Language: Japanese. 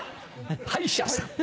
歯医者さん。